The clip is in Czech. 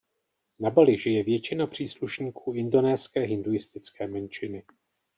Na Bali žije většina příslušníků indonéské hinduistické menšiny.